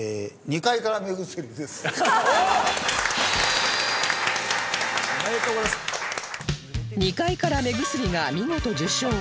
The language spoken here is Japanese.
二階から目薬が見事受賞